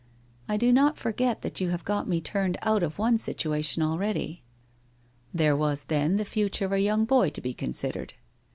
I do not forget that you have got me turned out of one situation already.' ' There was then the future of a young boy to be con sidered.'